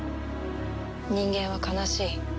人間は悲しい。